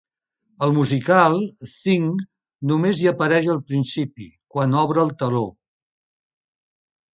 Al musical, Thing només hi apareix al principi, quan obre el teló.